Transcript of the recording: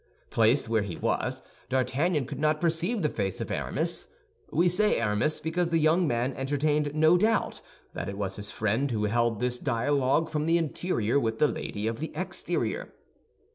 Placed where he was, D'Artagnan could not perceive the face of Aramis. We say Aramis, because the young man entertained no doubt that it was his friend who held this dialogue from the interior with the lady of the exterior.